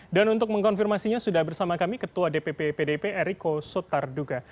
dan untuk mengkonfirmasinya sudah bersama kami ketua dpp pdp eriko sotarduga